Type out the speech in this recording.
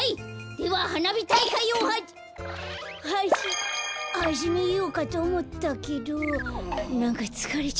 でははなびたいかいをはじはじはじめようかとおもったけどなんかつかれちゃった。